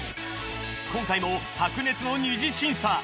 今回も白熱の二次審査。